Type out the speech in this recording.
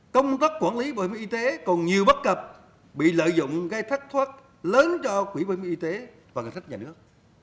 công tác quản lý bảo hiểm y tế còn nhiều bất cập bị lợi dụng gây thất thoát lớn cho quỹ bảo hiểm y tế và ngân sách nhà nước